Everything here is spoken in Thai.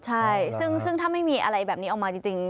ใช่ซึ่งถ้าไม่มีอะไรแบบนี้ออกมาจริง